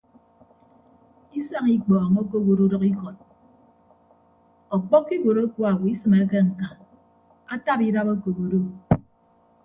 Isañ ikpọọñ okowot udʌkikọt ọkpọkkọ iwuot akuaowo isịmeke ñka ataba idap okop odu.